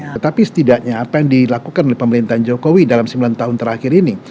tetapi setidaknya apa yang dilakukan oleh pemerintahan jokowi dalam sembilan tahun terakhir ini